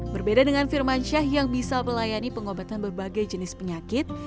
berbeda dengan firmansyah yang bisa melayani pengobatan berbagai jenis penyakit